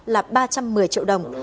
là ba trăm một mươi triệu đồng